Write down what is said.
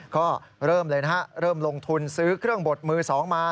ก็เริ่มเลยนะฮะเริ่มลงทุนซื้อเครื่องบดมือ๒มา